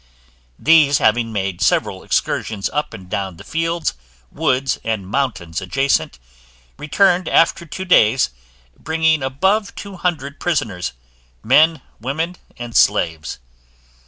These having made several excursions up and down the fields, woods, and mountains adjacent, returned after two days, bringing above two hundred prisoners, men, women, and slaves.